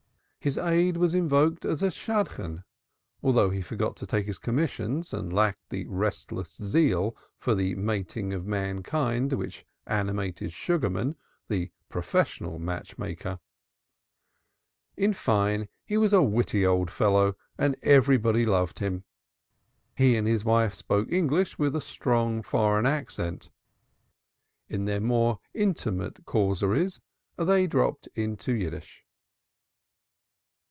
His aid was also invoked as a Shadchan, though he forgot to take his commissions and lacked the restless zeal for the mating of mankind which animated Sugarman, the professional match maker. In fine, he was a witty old fellow and everybody loved him. He and his wife spoke English with a strong foreign accent; in their more intimate causeries they dropped into Yiddish.